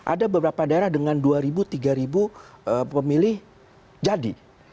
ada beberapa daerah dengan dua tiga ribu pemilih jadi